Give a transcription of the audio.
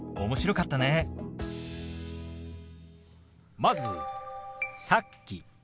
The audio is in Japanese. まず「さっき」。